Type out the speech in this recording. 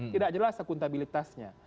tidak jelas akuntabilitasnya